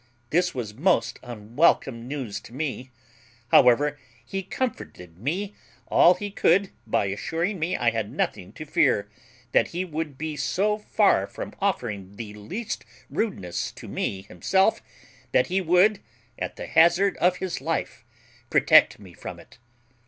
This was most unwelcome news to me; however, he comforted me all he could by assuring me I had nothing to fear, that he would be so far from offering the least rudeness to me himself, that he would, at the hazard of his life, protect me from it.